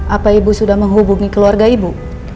apa ibu sudah menghubungi keluarga ibu